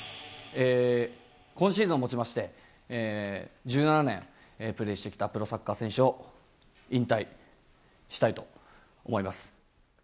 今シーズンをもちまして、１７年プレーしてきたプロサッカー選手を引退したいと思います。